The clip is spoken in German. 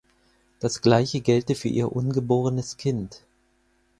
Das Gleiche gelte für ihr ungeborenes Kind.